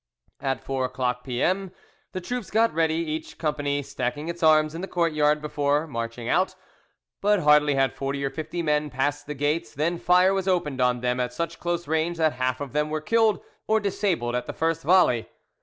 At four o'clock P.M. the troops got ready, each company stacking its arms in the courtyard before: marching out; but hardly had forty or fifty men passed the gates than fire was opened on them at such close range that half of them were killed or disabled at the first volley.